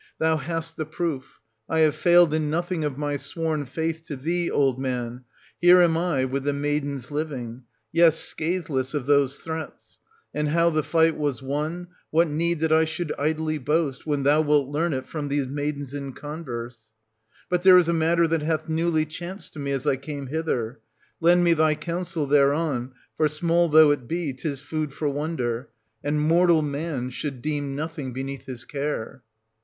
Thou hast the proof; I have failed in nothing of my sworn faith to thee, old man ; here am I, with the maidens living, — yea, scatheless of those threats. And how the fight was won, what need that I should idly boast, when thou wilt learn it from these maidens in converse ? 1150 But there is a matter that hath newly chanced to me, as I came hither ; lend me thy counsel thereon, for, small though it be, 'tis food for wonder; and mortal man should deem nothing beneath his care.